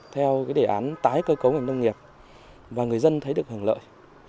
theo đề án tái cơ cấu ngành nông nghiệp và người dân thấy được hưởng lợi